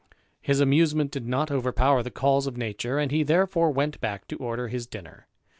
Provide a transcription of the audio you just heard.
His amusement did not overpower the calls of nature, and he therefore went back to order his dinner.